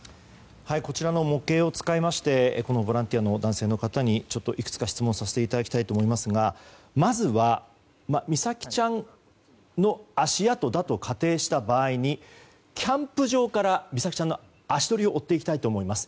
こちらの模型を使いましてボランティアの男性の方にいくつか質問をさせていただきたいと思いますがまずは、美咲ちゃんの足跡だと仮定した場合にキャンプ場から美咲ちゃんの足取りを追っていきたいと思います。